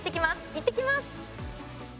いってきます！